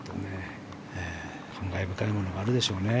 感慨深いものがあるでしょうね。